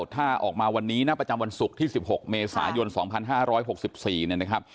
ถ้าออกมาวันนี้นะประจำวันศุกร์ที่๑๖เมษายน๒๕๖๔เนี่ยนะครับ